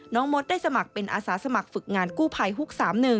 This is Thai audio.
มดได้สมัครเป็นอาสาสมัครฝึกงานกู้ภัยฮุก๓๑